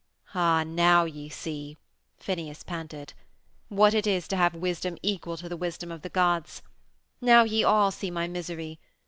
"Ah, now ye see," Phineus panted, "what it is to have wisdom equal to the wisdom of the gods. Now ye all see my misery.